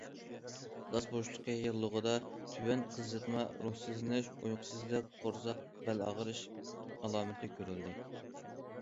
داس بوشلۇقى ياللۇغىدا تۆۋەن قىزىتما، روھسىزلىنىش، ئۇيقۇسىزلىق، قورساق، بەل ئاغرىش ئالامىتى كۆرۈلىدۇ.